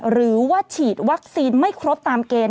หรือว่าฉีดวัคซีนไม่ครบตามเกณฑ์